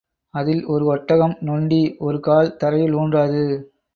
அதில் ஒரு ஒட்டகம் நொண்டி, ஒரு கால் தரையில் ஊன்றாது.